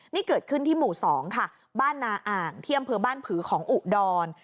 นี่เกิดขึ้นที่หมู่๒ค่ะบ้านนาอ่างที่อำเภอบ้านผือของอุดร